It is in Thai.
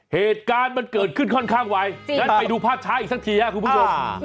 เหตุการณ์มันเกิดขึ้นค่อนข้างไวงั้นไปดูภาพช้าอีกสักทีครับคุณผู้ชม